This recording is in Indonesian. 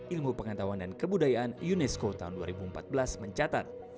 ilmu pengetahuan dan kebudayaan unesco tahun dua ribu empat belas mencatat